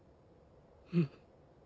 うん。